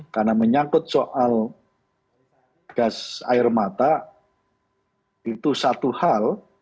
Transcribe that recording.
karena menyangkut soal gas air mata itu satu hal